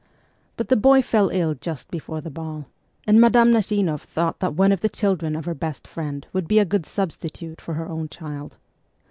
But the boy fell ill just before the ball, and Madame Nazimoff thought that one of the children of her best friend would be a good substitute for her own child.